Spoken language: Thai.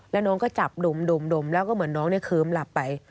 แล้วน้องก็จับดมแล้วก็เหมือนน้องเนี่ยเคิ้มหลับไป